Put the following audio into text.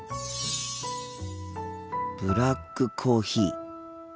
ブラックコーヒー。